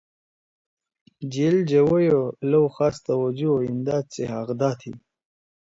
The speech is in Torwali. جئیل جَوئی و لَؤ خاص توجہ او امداد سی حقدا تھی۔